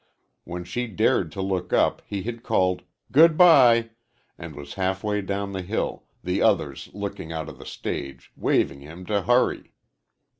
When she dared to look up, he had called, "Good bye!" and was halfway down the hill, the others looking out of the stage, waving him to hurry.